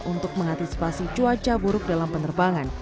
untuk mengantisipasi cuaca buruk dalam penerbangan